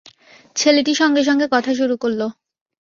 ছেলেটি সঙ্গে-সঙ্গে কথা শুরু করল।